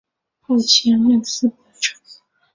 后迁任司仆丞。